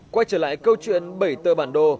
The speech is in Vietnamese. quay trở lại câu chuyện bảy tờ bản đồ